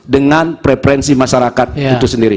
dengan preferensi masyarakat itu sendiri